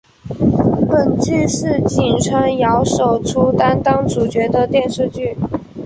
本剧是井川遥首出担当主角的电视剧。